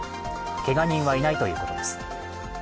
けが人はいないということです。